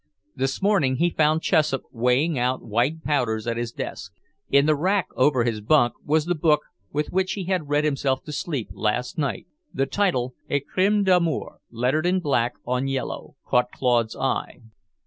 This morning he found Chessup weighing out white powders at his desk. In the rack over his bunk was the book with which he had read himself to sleep last night; the title, "Un Crime d'Amour," lettered in black on yellow, caught Claude's eye.